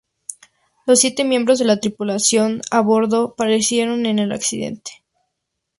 Los siete miembros de la tripulación a bordo perecieron en el accidente.